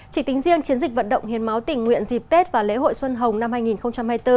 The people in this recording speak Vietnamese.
chỉ tính riêng chiến dịch vận động hiến máu tình nguyện dịp tết và lễ hội xuân hồng năm hai nghìn hai mươi bốn